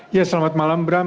ya selamat malam bram